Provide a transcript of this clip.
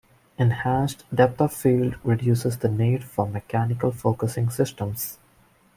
Enhanced depth-of-field reduces the need for mechanical focusing systems.